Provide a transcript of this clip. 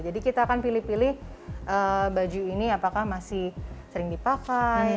jadi kita akan pilih pilih baju ini apakah masih sering dipakai